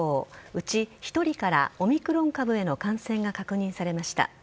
うち１人からオミクロン株への感染が確認されました。